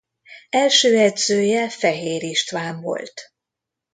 Első edzője Fehér István volt.